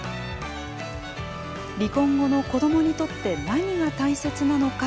離婚後の子どもにとって何が大切なのか。